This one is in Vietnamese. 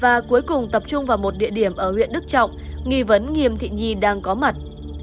và cuối cùng tập trung vào một địa điểm ở huyện đức trọng nghi vấn nghiêm thị nhi đang có mặt